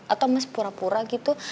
atau masih pura pura gitu